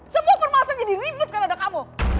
semua permasalahan jadi ribet karena ada kamu